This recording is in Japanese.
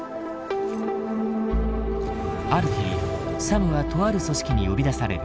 ある日サムはとある組織に呼び出される。